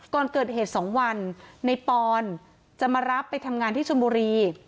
ก่อนเกิดเหตุ๒วันในปอนจะมารับไปทำงานที่ชนบุรี